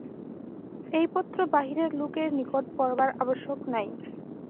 এই পত্র বাহিরের লোকের নিকট পড়বার আবশ্যক নাই।